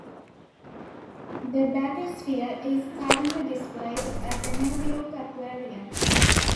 The bathysphere is currently displayed at the New York Aquarium.